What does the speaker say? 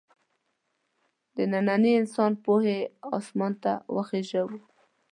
د ننني انسان پوهې اسمان ته وخېژو.